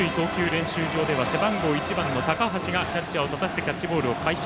練習場では背番号１番の高橋がキャッチャーを立たせてキャッチボールを開始。